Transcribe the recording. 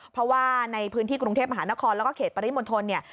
เพราะว่าในพื้นที่กรุงเทพมหานครแล้วก็เขตปริมณฑลเนี่ย